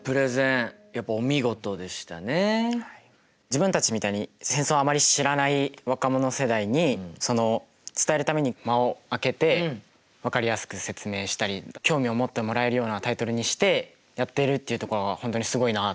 自分たちみたいに戦争をあまり知らない若者世代にその伝えるために間をあけて分かりやすく説明したり興味を持ってもらえるようなタイトルにしてやっているっていうところが本当にすごいなっていうふうに思いました。